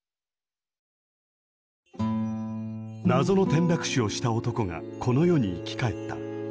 謎の転落死をした男がこの世に生き返った。